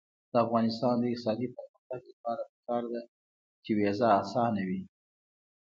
د افغانستان د اقتصادي پرمختګ لپاره پکار ده چې ویزه اسانه وي.